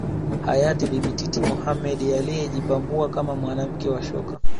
Hayati Bibi Titi Mohamed aliyejipambua kama mwanamke wa shoka